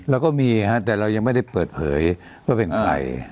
เราก็มีฮะแต่เรายังไม่ได้เปิดเผยว่าเป็นใคร